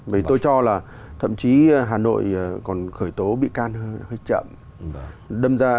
vì tôi cho là thậm chí hà nội còn khởi tố bị can hơi chậm